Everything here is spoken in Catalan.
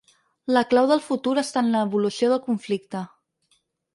La clau del futur està en l’evolució del conflicte.